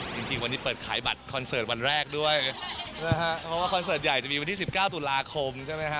จริงจริงวันนี้เปิดขายบัตรคอนเสิร์ตวันแรกด้วยนะฮะเพราะว่าคอนเสิร์ตใหญ่จะมีวันที่สิบเก้าตุลาคมใช่ไหมฮะ